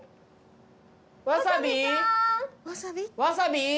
わさび。